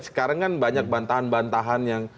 sekarang kan banyak bantahan bantahan yang